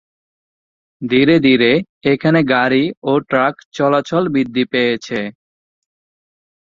ধীরে ধীরে এখানে গাড়ি ও ট্রাক চলাচল বৃদ্ধি পেয়েছে।